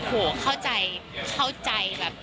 โหเข้าใจเข้าใจแบบ